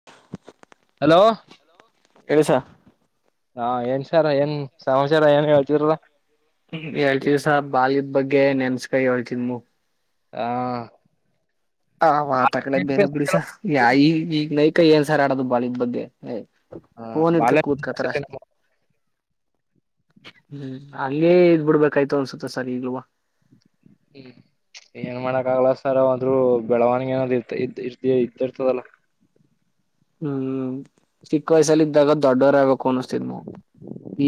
[inaudible] Hello ಕೇಳುಸ ಹಾ ಏನ್ ಸರ ಏನ್ ಸಮಾಚಾರ ಏನ್ ಹೇಳ್ತೀರಲಾ ಹೇಳ್ತವಿ ಸರ್ ಬಾಲ್ಯದ್ ಬಗ್ಗೆ ನೆನ್ಸ್ಕ ಹೇಳ್ತನ್ ಮೂ ಹಾಂ ಹ ವಾರ್ತಾ ಕಡೆ ಬೇರೆ ಬಿಡಿ ಸರ್ ಈಗ ಈಗ್ ನೈಟ ಏನ್ ಸಾರ್ ಆಡೋದು ಬಾಲ್ಯಾದ್ ಬಗ್ಗೆ ಹ ಫೋನ್ ಬಾಲ ಇಡ್ಕೊಂಡ ಕೂತ್ಕತಾರ ಸರಿ ಅಷ್ಟೇ ನಮ್ಮ ಹ್ಮ್ ಹಂಗೇ ಇದ್ ಬಿಡ್ಬೇಕಾಯ್ತು ಅನ್ಸುತ್ತತ ಸರ್ ಈಗ್ಲೂವ ಹ್ಮ ಏನ್ ಮಾಡಾಕ್ ಆಗ್ಲ ಸರ್ ಅದು ಬೆಳವಣಿಗ ಏನದ ಇರ್ ಇದ್ ಇದ್ದ ಇದ್ದ ಇರ್ತದಲ್ಲಾ ಹ್ಮ್ ಚಿಕ್ಕ ವಯಸಲ್ಲಿ ಇದ್ದಾಗ ದೊಡ್ಡವರ ಆಗಬೇಕು ಅನ್ಸ್ತಿದ್ದನು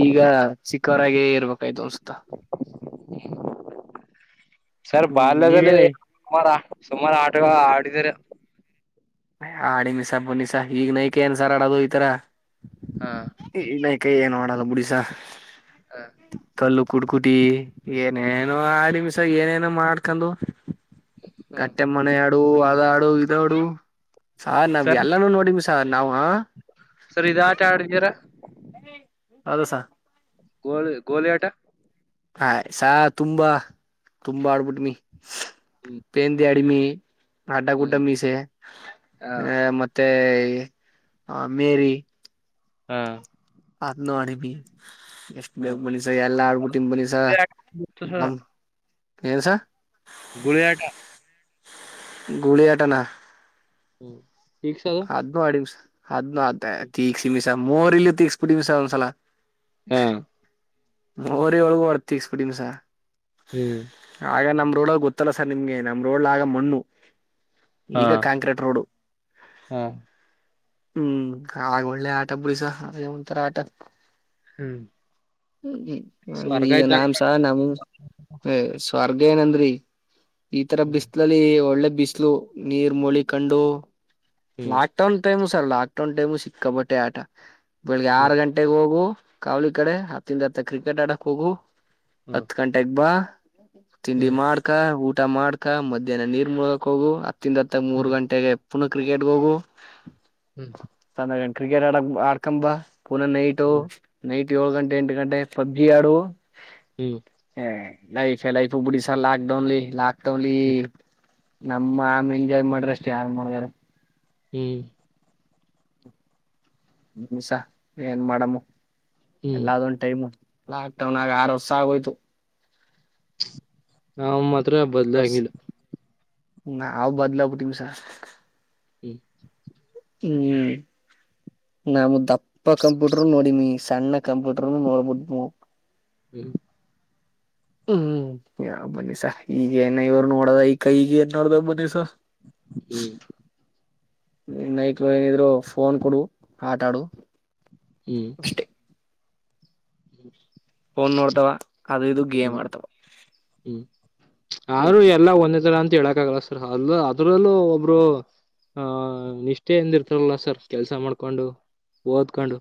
ಈಗ ಚಿಕ್ಕವರಾಗೆ ಇರ್ಬೇಕಾಯ್ತು ಅನ್ಸುತ್ತಾ ಸರ್ ಹ್ಮ್ ಬಾಲ್ಯದಲ್ಲಿ ನೀವೇನ ಸುಮಾರಾ ಸುಮಾರ್ ಆಟನ ಆಡಿದಿದ್ದಾರ ಆಡಿಮಿಸ ಬನ್ನಿಸ ಈಗ್ ನೈಕೆ ಏನ್ ಸಾರ್ ಆಡೋದು ಈತರ ಹಾ ಹೆಣ್ಣ್ ಆಯಿಕ ಏನು ಆಡಲ್ಲ ಬುಡಿ ಸಾ ಹಾ ಕಲ್ಲು ಕುಟ್ ಕುಟಿ ಏನೇನೋ ಆಡಿಮಿಸಾಗ ಏನೇನೋ ಮಾಡ್ಕೊಂಡು ಹ್ಮ್ ಗಟ್ಟೆ ಮನೆ ಆಡು ಅದ ಆಡು ಇದ್ ಆಡು ಸಾರ್ ನಾವ್ ಸರ್ ಎಲ್ಲಾನೂ ನೋಡ್ವಿ ಸಾರ್ ನಾವು ಸರ್ ಇದಾ ಆಟ ಆಡಿದೀರಾ ಹೌದು ಸಾ ಗೋಲಿ ಗೋಲಿ ಆಟ ಹಾಯ್ ಸಾರ್ ತುಂಬಾ ತುಂಬಾ ಆಡ್ ಬುಟಿನಿ ಹ್ಮ್ ಪೇಂದಿ ಅಡಿಮಿ ಹಡ್ಡ ಗುಟ್ಟ ಹ್ಮ್ ಮೀಸೆ ಹಾ ಅ ಮತ್ತ್ ತ್ತ ಅಮೀರಿ. ಹ್ಮ್ ಅದ್ ನೋಡಿಬಿ. ಎಷ್ಟ್ ಬೇಗ್ ಬನ್ನಿ ಸರ್ ಎಲ್ಲ ಆಗ್ಬಿಟ್ಟೀನ್ ಬನ್ನಿ ಸರ್ ಹ್ಮ ಏನು ಸರ್ ಗುಳಿಯಾಟ. ಗುಳಿಯಾಟನಾ? ಹ್ಮ ಫಿಕ್ಸ್ ಅದ್ ಅದ್ ಆಡಿಮ್ಷ ಅದ್ನು ಅದ ತೀಕ್ಸ ನಿಮ್ಸ ಮೋರ್ ಇಲ್ಲಿ ತಕ್ಸ್ಬಿಟ್ಟಡಿಮ್ಸ ಒಂದ್ಸಲ ಹಮ್ ಮೋರಿ ಒಳಗು [unintelligible] ಬಿಟ್ಟನೀ ಸಾರ್ ಹ್ಮ್ ಆಗ ನಮ್ ರೋಡದಾಗ ಗೊತ್ತಲ್ಲ ಸರ್ ನಿಮ್ಗೆ ನಮ್ ರೋಡ್ಲ ಆಗ ಮಣ್ಣು ಹಾ ಈಗ ಕಾಂಕ್ರೀಟ್ ರೋಡ್. ಹಾ ಹ್ಮ್ ಆಗ ಒಳ್ಳೆ ಆಟ ಬುಡಿಸರ್ ಅದೇ ಒಂತರ ಆಟ. ಹ್ಮ್ ಹ ಹ ಸ್ವರ್ಗ ಈಗ ಇದ್ದಾಗ ನಾಮ್ ಸಹ ನಮ್ ಏ ಸ್ವರ್ಗ ಏನಂದ್ರೀ ಈತರ ಬಿಸ್ಲಲ್ಲಿ ಒಳ್ಳೆ ಬಿಸ್ಲು. ನೀರ್ ಮೂಳಿಕೊಂಡು ಹ್ಮ್ lockdown time sir lockdown time ಸಿಕ್ಕಬಟ್ಟೆ ಆಟ ಬೆಳಗ್ಗೆ ಹ್ಮ್ ಆರು ಗಂಟ್ ಟೇಗ್ ಹೋಗು ಕಾವಲಿ ಕಡೆ ಹತ್ತಂದ್ ಹತ್ತ ಕ್ರಿಕೆಟ್ ಆಡಕ್ ಹೋಗು ಹ್ಮ್ ಹತ್ತು ಗಂಟೆ ಡೆಗ್ಬಾ ತಿಂಡಿ ಹ್ಮ್ ಮಾಡ್ಕ, ಊಟ ಮಾಡ್ಕ, ಮಧ್ಯಾಹ್ನ ನೀರ್ ಮುಳಕ್ ಹೋಗು ಹತ್ತಿಂದ ತ್ತೆ ಮೂರ್ ಹ್ಮ್ ಗಂಟೆಗೆ ಪುನಃ ಕ್ರಿಕೆಟ್ಗ್ಹೋಗು. ಹ್ಮ್ ಸಂಜೆಗಂಟ್ ಕ್ರಿಕೆಟ್ ಆಡ ಆಡ್ಕಂಬಾ ಪುನಃ ನೈಟ್ ಹ್ಮ್ ನೈಟ್ ಏಳು ಗಂಟೆ ಎಂಟು ಗಂಟೆ ಪಬ್ಜಿ ಆಡು. ಹ್ಮ್ ಹ ಲೈಫೇ ಲೈಫು ಬಿಡಿ ಸರ್ ಲಾಕ್ ಡೌನ್ಲಿ ಲಾಕ್ಡೌನ್ಲಿ ಹ್ಮ್ ನಮ್ಮ ಆಮ ಎಂಜಾಯ್ ಮಾಡ್ರಷ್ಟು ಯಾರು ಮಾಡಿದಾರ? ಹ್ಮ್ ಬಿಡಿಸ ಏನ್ ಮಾಡಮ್ಮು ಹ್ಮ್ ಎಲ್ಲಾ ಅದೊಂದು ಟೈಮು. ಲಾಕ್ ಡೌನ್ ಆಗ್ ಆರು ವರ್ಷ ಆಗೋಯ್ತು. ನಾವ್ ಮಾತ್ರ ಆರು ವರ್ಷ ಬದ್ಲಾಗಿಲ್ಲ. ನಾವ್ ಬದಲಾಗಿಬಿಟ್ಟಿವಿ ಸರ್. ಹ್ಮ ಹ್ಮ್ ನಾಮು ದಪ್ಪ ಕಂಪ್ಯೂಟರು ನೋಡಿಮಿ ಸಣ್ಣ ಕಂಪ್ಯೂಟರ್ ನೋಡ್ಬಿಟ್ಮು. ಹ್ಮ್ ಹ್ಮ್ ಯಾವ ಬನ್ನಿಸ ಈಗ ಏನ ಇವ್ರು ನೋಡದ ಈಕ ಈಗ ಏನ್ ನೋಡ್ದ ಬನ್ನಿಸ. ಹ್ಮ್ [unintelligible] ಫೋನ್ ಕೊಡು ಆಟ ಆಡು. ಈ್ಮ ಅಷ್ಟೇ ಹ್ಮ್ ಫೋನ್ ನೋಡ್ತಾವ ಅದು ಇದು ಗೇಮ್ ಆಡ್ತವ. ಹ್ಮ್ ಆದ್ರು ಎಲ್ಲ ಒಂದೇ ತರ ಅಂತ ಹೇಳಕ್ ಆಗಲ್ಲ ಸರ್ ಅಲ್ಲೂ ಅದ್ರಲ್ಲೂ ಒಬ್ರು ಹ ನಿಷ್ಟೆಯಿಂದ ಇರ್ತಾರಲ್ಲ ಸರ್ ಕೆಲ್ಸ ಮಾಡ್ಕೊಂಡು ಓದ್ಕೊಂಡು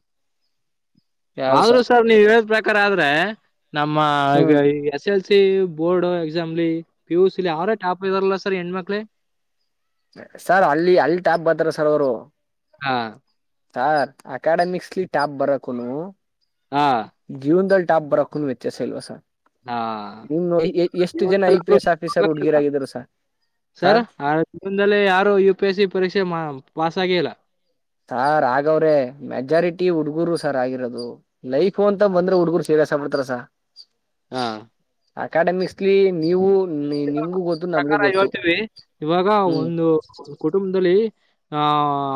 ಯಾರು ಸ ಆದ್ರು ಸರ್ ನೀವ್ ಹೇಳಿದ್ ಪ್ರಕಾರ ಆದ್ರೆ ನಮ್ಮ ಈಗ ಹ್ಮ್ ಎಸ್ ಎಲ್ ಸಿ ಬೋರ್ಡ್ ಎಕ್ಸಾಮ್ಲಿ ಪಿ ಯು ಸಿ ಲಿ ಅವ್ರೇ ಟಾಪ್ ಇದಾರಲ್ಲ ಸರ್ ಹೆಣ್ ಮಕ್ಳೇ. ಸರ್ ಅಲ್ಲಿ ಅಲ್ ಟ್ಯಾಬ್ ಬರ್ತಾರ ಸರ್ ಅವ್ರು. ಹಾ ಸ ಅಕಾಡೆಮಿಕ್ಸ್ಲಿ ಟಾಪ್ ಬರಕುನು ಹಾ ಜೀವನ್ದಲ್ ಟಾಪ್ ಬರಕ್ಕುನು ವ್ಯತ್ಯಾಸ ಇಲ್ವಾ ಸರ್. ಹಾ ನಿಮ್ಮ ಏ ಏ ಎಷ್ಟು ಜನ ಐ ಪಿ ಜೀವನದಲ್ಲಾದ್ರೂ ಎಸ್ ಆಫೀಸರ್ ಹುಡ್ಗಿರ ಆಗಿದಾರೆ ಸ ಸರ್ ಆ [unintelligible] ಲ್ಲಿ ಯಾರು ಯು ಪಿ ಎಸ್ ಸಿ ಪರೀಕ್ಷೆ ಮ ಪಾಸ್ ಆಗೇ ಇಲ್ಲ. ಸಾರ್ ಆಗವ್ರೆ ಮೆಜಾರಿಟಿ ಹುಡ್ಗರು ಸಾರ್ ಆಗಿರೋದು ಲೈಫು ಅಂತ ಬಂದ್ರೆ ಹುಡುಗರು ಸಿರಿಯಸ್ ತಾಬಿಡ್ತಾರ ಸ ಹಾ ಅಕಾಡೆಮಿಕ್ಸ್ಲಿ ನೀವು ನಿಮ್ಗೂ ಗೊತ್ತು ನಮ್ಗೂ ಪ್ರಕಾರ ಗೊತ್ತು ಹೇಳ್ತೀವಿ ಇವಾಗ ಹ್ಮ್ ಒಂದು ಕುಟುಂಬದಲ್ಲಿ ಆ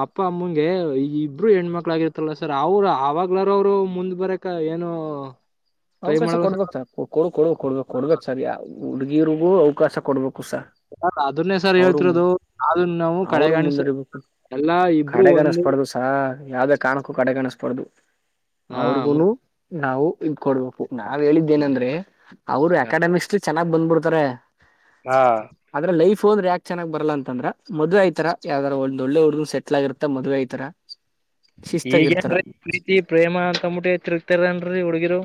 ಅಪ್ಪ ಅಮ್ಮಂಗೆ ಈ ಇಬ್ರು ಹೆಣ್ಮಕ್ಳಾಗಿರತ್ತಲ್ಲ ಸರ್ ಅವರು ಅವಾಗ್ಲಾರ ಅವ್ರು ಮುಂದ್ ಬರಕ್ ಕ್ಕ ಏನು [inaudible] ಟ್ರೈ ಅವಕಾಶ ಮಾಡಲ್ಲ ಕೊಡ್ಬೇಕು ಸರ್ ಕೊಡು ಕೊಡು ಕೊಡ್ಬೇಕು ಕೊಡ್ಬೇಕು ಸರ್ ಯ ಹುಡ್ಗಿರಿಗೂ ಅವಕಾಶ ಕೊಡ್ಬೇಕು ಸರ್. ಸ ಅದನ್ನೇ ಸರ್ ಅವರು ಹೇಳ್ತಿರೋದು ಅದುನ್ ನಾವು ಅವರು ಕಡೆಗಾಣೀಸ್ ಮುಂದರಿಬೇಕು ಎಲ್ಲಾ ಇಬ್ರು ಒಂದ್ ಹ ಯಾವ್ದೇ ಕಾರಣಕ್ಕೂ ಕಡೆಗಣಿಸ ಬಾರ್ದು ಹಾ ಅವ್ರಿಗುನು ಮುಂದ್ ನಾವು ಇ ಕೊಡ್ಬೇಕು ನಾವ್ ಹೇಳಿದ್ದೇನಂದ್ರೆ ಅವ್ರು ಸರ್. ಅಕಾಡೆಮಿಕ್ಸ್ ಲಿ ಚೆನ್ನಾಗ್ ಬಂದ್ಬಿಡ್ತಾರೆ. ಹಾ [inaudible] ಆದ್ರ ಲೈಫು ಅಂದ್ರೆ ಯಾಕ್ ಚನ್ನಾಗ್ ಬರಲ್ಲ ಅಂತಂದ್ರ ಮದ್ವೆ ಆತರ ಯಾವ್ದರ ಒಂದ್ ಒಳ್ಳೆ ಹುಡುಗ್ರು ಸೆಟ್ಲ್ ಆಗಿರತ್ತ ಮದ್ವೆ ಐತರ. [inaudible] ಶಿಸ್ತಾಗಿರ್ತಾರ ಈಗೇನ್ರೀ ಪ್ರೀತಿ ಪ್ರೇಮ ಅಂತಂದ್ ಬಿಟ್ಟೆ ತಿರುಗ್ತಾರೇನ್ರಿ ಹುಡ್ಗಿರು.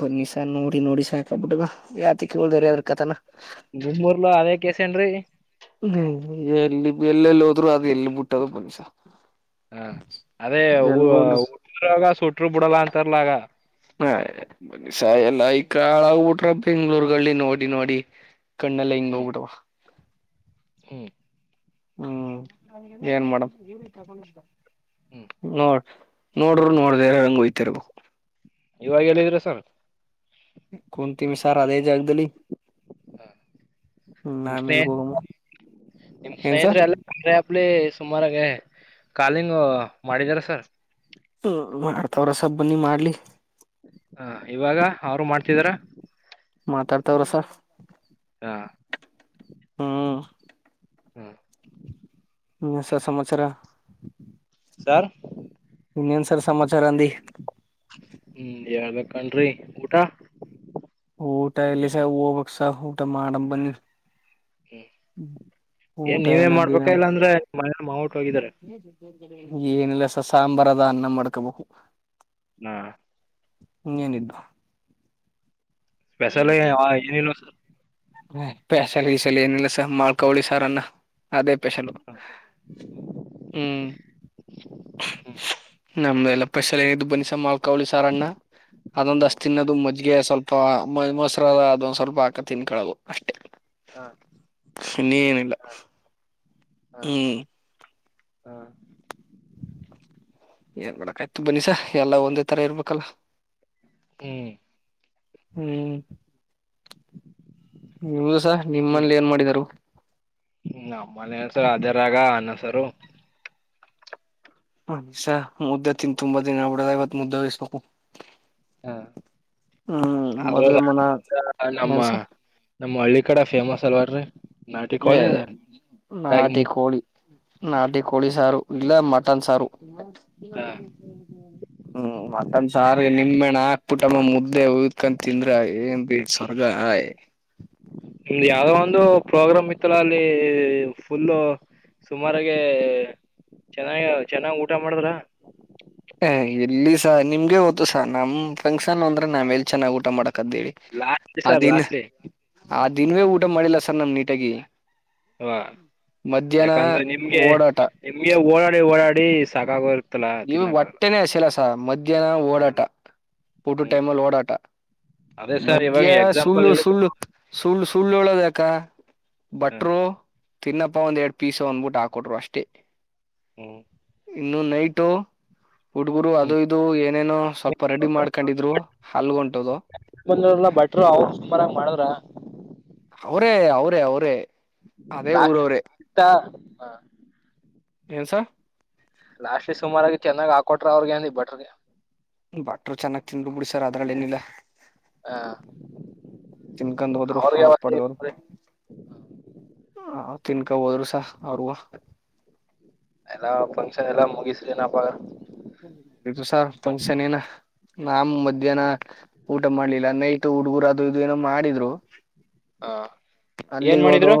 ಬನ್ನಿ ಸರ್ ನೋಡಿ ನೋಡಿ ಸಾಕಾಗ್ ಬಿಟ್ಟದ ಯಾತಕ್ ಹೇಳ್ದವ್ರಿ ಅವ್ರ್ ಕಥೇನ. ನಿಮ್ಮುರ್ಲು ಅದೇ ಕೇಸೆನ್ರೀ ಹ್ಮ ಎಲ್ ಎಲ್ಲೆಲ್ ಹೋದ್ರು ಅದ ಎಲ್ ಬುಟ್ ತೋಗೊ ಬನ್ನಿ ಸಾ ಅದ್ ಎಲ್ಗೊದ್ರು ರಾಗ ಸುಟ್ರು ಬಿಡಲ್ಲ ಅಂತಾರಲಾಗ ಹ್ ಸಾಯಲ್ ಈ ಕಾಳ ಊಟ್ರ ಬೆಂಗ್ಳೂರ್ಗಳ್ಳಿ ನೋಡಿ ನೋಡಿ. ಕಣ್ಣೆಲ್ಲ ಹಿಂಗ ಹ್ಮ್ ಹೋಗ್ಬಿಟವ ಹ್ಮ್ ಹ್ಮ್ ಏನ್ ಮಾಡಮ್ ಹ್ಮ್ ನೋಡ್ರ್ ನೋಡರು ನೋಡ್ದಿರಂಗ್ ಹೊಯ್ತಿರ್ಬೇ ಇವಾಗ ಎಲ್ಲಿದೀರಾ ಸರ್ ಕುಂತೀಮಿ ಸಾರ್ ಅದೇ ಜಾಗದಲ್ಲಿ ಹ್ಮ್ ನಿಮ್ ಸ್ನೇ ಆಮೇಲ್ ಹೋಗಮ್ಮ ನಿಮ್ ಏನ್ಸ ಸ್ನೇಹಿತರೆಲ್ ಅಂದ್ರೆ ಹಪ್ಲಿ ಸುಮಾರಾಗೇ ಕಾಲಿಂಗ್ ಮಾಡಿದಾರೆ ಸರ್ ಹ ಮಾಡ್ತಾವ್ರೆ ಸರ್ ಬನ್ನಿ ಮಾಡ್ಲಿ ಹ ಇವಾಗ ಅವ್ರು ಮಾಡ್ತಿದಾರ ಮಾತಾಡ್ತಾವ್ರೆ ಸರ್ ಯಾ ಹ್ಮ ಹ್ಮ್ ಹ ಸ ಸಮಚಾರ ಸಾರ್ ಇನ್ನೇನ್ ಸರ್ ಸಮಾಚಾರ ಅ ಹ್ಮ್ ಯಳ್ಬೇಕಣ್ರಿ ಊಟ ಊಟ ಎಲ್ಲಿ ಸ ಹೋಗಬಕ್ಸ ಊಟ ಮಾಡ ಬಂದಿ ಹ್ಮ್ ಏನ್ ಊಟೆ ನೀವೇ ನದ ನ ಮಾಡ್ಬೇಕ ಇಲ್ಲ ಅಂದ್ರೆ ಮನೆ ಮಾವುಟ್ ಹೋಗಿದಾರೆ ಏನಿಲ್ಲಸ ಸಾಂಬಾರ ಅದ ಅನ್ನ ಮಾಡ್ಕೋಬೇಕು ನಾ ಇನೇನಿದ್ದು ಇಲ್ಲಿ ಸ್ಪೆಷಲ್ ಬತ್ತುತ ಏನಿಲ್ಲ ಸರ್ ಹ ಪೆಸಾಲ ಗಿಸಲ್ ಏನಿಲ್ಲ ಸ ಮಾಡ್ಕೋಳಿ ಸಾರನ್ನ ಅದೇ ಸ್ಪೆಷಲ್ಹ್ ಹುಂ ಹ್ಮ್ ನಮ್ಮ ಎಲ್ಲ ಸ್ಪೆಷಲ್ ಏನು ಬನಸ ಮಾಲ್ಕಾವಳಿ ಸಾರಣ್ಣ ಅದೊಂದು ಹ್ಮ್ ಅಷ್ಟ ತಿನ್ನದು ಮಜ್ಜಿಗೆ ಸ್ವಲ್ಪ ಮ ಮೊಸರಾದ ಅದೊಂದ್ ಸ್ವಲ್ಪ ಹಾಕ ತಿನ್ಕಳೋದು ಅಷ್ಟೇ ಹಾ ಸಿನ್ನಿನಿ ಏನಿಲ್ಲ ಹ್ಮ ಹಾ ಏನ್ ಮಾಡಕ್ ಆಯ್ತು ಬನ್ನಿಸಾ ಎಲ್ಲಾ ಒಂದೇ ತರ ಇರ್ಬೇಕಲ್ಲ ಹ್ಮ್ ಹ್ಮ್ ನಿಮ್ದಸ ನಿಮ್ಮಲ್ಲಿ ಏನ್ ಮಾಡಿದಿದರು ನಮ್ಮ ಮನೆ ಸಹ ಅದೇ ರಾಗ ಅನ್ನಸರು ಹಸ ಮುದ್ದೆ ತಿನ್ ತುಂಬಾ ದಿನ ಆಗ್ಬಿಡದ ಇವತ್ ಮುದ್ದೆ ಬಯಿಸ್ಬೇಕು ಹ ಹ್ಮ್ ಅದ ಮದುವೆ ಮನ ಏನ್ಸ ನಮ್ಮ್ ಹಳ್ಳಿ ಕಡೆ ಫೇಮಸ್ ಅಲ್ವ್ರೀ ನಾಟಿ ಮುದ್ದೆ ಕೋಳಿ ನಾಟಿ ಕೋಳಿ ಸಾರು ಇಲ್ಲ ಮಟನ್ ಸಾರು ಹ ಹ್ಮ್ ಮತ್ತೊಂದ ಸಾರಿಗೆ ನಿಮ್ಮಣ ಆಾಕ್ ಕುಟಂಬ ಮುದ್ದೆ ಅಕಂತ ತಿಂದ್ರ ಏನ್ ಬಿ ಸ್ವರ್ಗಯ ನಿಮ್ದ್ ಯಾವ್ದೋ ಒಂದು ಪ್ರೋಗ್ರಾಮ್ ಇತ್ತಲ್ಲ ಅಲ್ಲಿ ಫುಲ್ಲ ಸುಮಾರಾಗ ಚೆನ್ನಾಗ ಚೆನ್ನಾಗ್ ಊಟ ಮಾಡಿದ್ರ ಎಲ್ಲಿ ಸ ನಿಮ್ಗೆ ಗತ್ತು ಸ ನಮ್ ಫಂಕ್ಷನ್ ಅಂದ್ರೆ ನಾವ್ ಎಲ್ಲಿ ಚೆನ್ನಾಗ್ ಊಟ ಮಾಡಕದೇಳಿ ಲಾಸ್ಲಿ ಸರ್ ಲಾಸ್ಟ್ಲಿ ಆ ದಿನವೇ ಊಟ ಮಾಡಿಲ್ಲ ಸರ್ ನಮ ನೀಟಾಗಿ ಹ ಮಧ್ಯಾಹ್ನ ಯಾಕಂದ್ರೆ ನಿಮ್ಗೆ ಓಡಾಟ ನಿಮ್ಗೆ ಓಡಾಡಿ ಓಡಾಡಿ ಸಕಾಗರ್ ಇವು ಒಟ್ಟೆನೆೇ ಹಸಿಲ್ಲ ಸ ಮಧ್ಯಾಹ್ನ ಹ ಓಡಾಟ ಪುಟು ಹ್ಮ್ ಟೈಮಲ್ಲಿ ಓಡಾಟ ಅದೇ ಸರ್ ಇವಾಗ ಮಧ್ಯ್ಯಾ ಎಕ್ಸಾಂಪಲ್ ಸುಳ್ಳು ಹೇಳಿದ ಸುಳ್ಳು ಸುಳ್ಳು ಸುಳ್ಳು ಹೇಳದ ಬಟ್ರು ತಿನ್ನಪ್ಪ ಒಂದ ಎರಡ್ ಪೀಸ್ ಒಂದ್ ಬುಟ್ ಹಾಕೊಟ್ರು ಅಷ್ಟೇ ಹ್ಮ್ ಇನ್ನುೂ ನೈಟು ಹಟ್ಗುರು ಅದು ಇದು ಏನೇನುೋ ಸ್ವಲ್ಪ ರೆಡಿ ಮಾಡ್ಕೊಂಡಿದ್ರು ಹಲ್ಗ ಉಂಟದು ಈಗ ಬಂದರಲ್ಲ ಅವ್ರು ಸೂಪರ್ ಮಾಡಿದ್ರ ಅವರೇ ಅವರೇ ಅವರೇ ಅದೇ ಊರವ್ರೇ ಚಾ ಏನು ಸರ್ ಲಾಸ್ಟ್ ಸುಮಾರಾಗಿ ಚೆನ್ನಾಗ ಹಾಕೊಟ್ರ ಅವ್ರಿಗಏನ್ಬಟ್ರಗೆ ಬಟ್ರು ಚೆನ್ನಾಗಿ ತಿಂದು ಮುಗಿಸರೂ ಅದ್ರಲ್ಲಿ ಏನಿಲ್ಲ ಹ ಚಿನ್ಕಂದ ಹೋದ್ರು ಅವ್ರಿಗೆ ಹಾರ್ ಅವತ್ತ ಪಡ್ದರು ಹ ತಿನ್ಕಾ ಹೋದರುಸ ಅವ್ರಗ ಎಲ್ಲಾ ಫಂಕ್ಷನ್ ಎಲ್ಲಾ ಮುಗಿಸ್ರ ನಪ ಇದು ಸಾರ್ ಫಂಕ್ಷನ್ ಏನ ನಾಮ ಮಧ್ಯಾಹ್ನ ಊಟ ಮಾಡ್ಲಿಲ್ಲ ನೈಟ್ ಹುಡ್ಗರು ಅದು ಇದು ಏನೋ ಮಾಡಿದ್ರು ಹ ಏನ್ ಅಲ್ಲಿಗೆ ಹೋದು ಮಾಡಿದ್ರು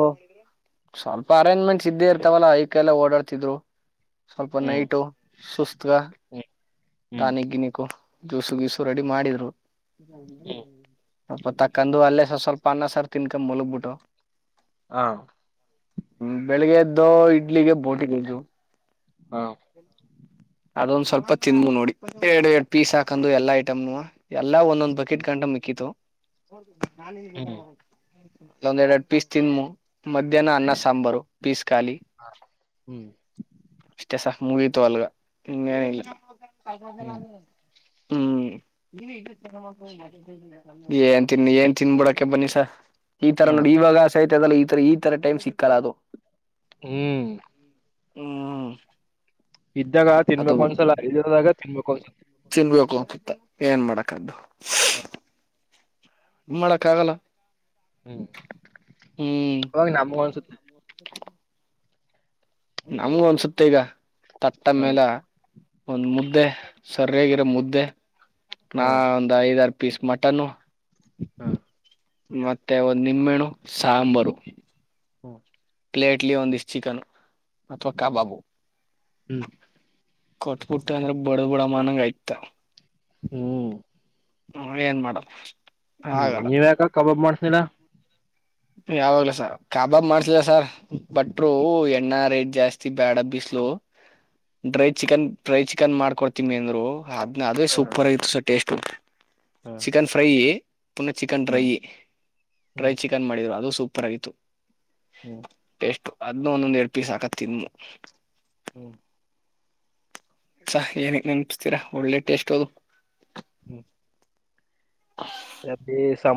ಸ್ವಲ್ಪ ಅರೇಂಜ್ಮೆಂಟ್ಸ್ ಇದ್ದೇ ಇರ್ತಾವಲ್ಲ ಐಕ ಎಲ್ಲ ಓಡಾಡ್ತಿದ್ರು ಸ್ವಲ್ಪ ಹ್ಮ್ ನೈಟು ಸುಸ್ತ ಹ್ಮ್ ಹ್ಮ್ ಟಾನಿಕ್ ನ ಗಿನಿಕು ಜ್ಯೂಸು ಗ್ಯಸು ರೆಡಿ ಮಾಡಿದ್ರು ಹ್ಮ್ ಸ್ವಲ್ಪ ತಕ್ಕಂದು ಅಲ್ಲೇ ಸ್ ಸ್ವಲ್ಪ ಅನ್ನ ಸರ್ ತಿನ್ಕೊ ಮುಲಗ್ಬಿಟ್ಟು ಹ ಹ್ಮ ಬೆಳಿಗ್ಗೆದ್ದ ಇಡ್ಲಿಗೆ ಬೋಟಿ ಕಸು ಹಾಂ ಅದೊಂದ್ ಸ್ವಲ್ಪ ತಿದ್ ನೋಡಿ ಎರ ಎರಡ್ ಪೀಸ್ ಹಾಕಂಡು ಎಲ್ಲಾ ಐಟಮನು ಎಲ್ಲಾ ಒಂದೊಂದ್ ಬಕೆಟ್ ಗಂಟ ಮಿಕ್ಕಿತು ಹ್ಮ್ ಒಂದ ಎರಡು ಎರಡು ಪೀಸ್ ತಿನ್ ಮಧ್ಯಾಹ್ನ ಅನ್ನ ಸಾಂಬಾರು ಪೀಸ್ ಖಾಲಿ ಹ್ಮ್ ಅಷ್ಟೇ ಸಾ ಮುಗತು ಅಲ್ಗ ಹಂಗೇನ ಹ್ಮ್ ಇಲ್ಲ ಹ್ಮ್ ಹ್ಮ್ ಏನ್ ತಿನ್ ಏನ್ ತಿನ್ಬಿಡಕೆ ಬನ್ನಿಸ ಈ ತರ ಹ ನೋಡಿ ಇವಾಗ ಸಹತ ಅದಲ್ಲ ಈ ತರ ಈ ತರ ಟೈಮ್ ಸಿಕ್ಕಲ್ಲ ಅದು ಹ್ಮ್ ಹ್ಮ್ ಇದ್ದಾಗ ಅದು ತಿನ್ಬೇಕು ಒಂದ್ಸಲ ಐರದಾಗ ತಿನ್ಬೇಕುಂದಸಲ ತಿನ್ಬೇಕು ಅಂತುತ್ತ ಏನ್ ಮಾಡಕದ್ದು ಹ ಏನ್ ಮಾಡಕ್ ಆಗಲ್ಲ ಹ್ಮ್ ಹ್ಮ್ ಹಾಗ ನಮ್ಮ ಅನ್ಸುತ್ತ ನಮ್ಗು ಅನ್ಸುತ್ತೆ ಈಗ ಹ್ಮ್ ತತ್ತಮ್ಮೇಲ ಒಂದ್ ಮುದ್ದೆ ಸರಿಯಾಗಿರೋ ಮುದ್ದೆ ನಾ ಹಾ ಒಂದ್ ಐದರು ಪೀಸ್ ಮಟನ್ನು ಹಾ ಮತ್ತೆ ಒಂದು ನಿಮ್ಮೆಣು ಸಾಂಬಾರು ಹ್ಮ ಪ್ಲೇಟ್ಲಿ ಒಂದಿಷ್ಟ ಚಿಕನ್ ಅಥವಾ ಕಬಾಬು ಹ್ಮ್ ಕೊಟ್ಬಿಟ್ಟ ಅಂದ್ರೆ ಬಡ ಬಡಮನಂಗ ಆಯ್ತ ಹ್ಮ್ ಹ್ಮ ಏನ್ ಮಾಡ ಹ್ಮ್ ನೀವ ಯಾಕ ಕಬಾಬ್ ಮಾಡ್ಸನಿಲ್ಲಾ ಯಾವಾಗ್ಲ ಸರ್ ಕಾಬಾಬ್ ಮಾಡ್ತಿದ ಸರ್ ಬಟ್ರು ಎಣ್ಣಾ ರೇಟ್ ಜಾಸ್ತಿ ಬ್ಯಾಡ ಬಿಸ್ಲು ಡ್ರೈ ಚಿಕನ್ ಡ್ರೈ ಚಿಕನ್ ಮಾಡ್ಕೊಡ್ತೀಮಿ ಅಂದ್ರು ಅದ್ನ ಅದೇ ಹ್ಮ್ ಸೂಪರ್ ಆಗಿತ್ತು ಸ ಟೇಸ್ಟ್ ಉ ಚಿಕನ್ ಫ್ರೈ ಪುನಃ ಚಿಕನ್ ಡ್ರೈ ಹ್ಮ್ ಹ್ಮ್ ಡ್ರೈ ಹ್ಮ್ ಚಿಕನ್ ಮಾಡಿದ್ರು ಅದು ಸೂಪರ್ ಆಗತತ್ತು ಹ್ಮ್ ಟೆಸ್ಟು ಅದ್ ಒಂದೊಂದ್ ಎರಡ್ ಪೀಸ್ ಹಾಕತ್ ತಿನ್ನು ಹ್ಞೂ ಛ ಏನಿಗೆ ನೆಪಿಸ್ತೀರಾ ಒಳ್ಳೆ ಟೇಸ್ಟ್ ಅದು ಹ್ಮ್ ಹ [unintelligible] ಹ್ಯಾಪಿ ಸಮ